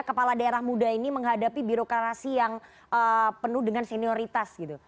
kepala daerah muda ini menghadapi birokrasi yang penuh dengan senioritas gitu